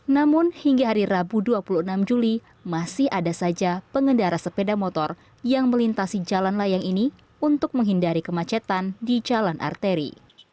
namun hingga hari rabu dua puluh enam juli masih ada saja pengendara sepeda motor yang melintasi jalan layang ini untuk menghindari kemacetan di jalan arteri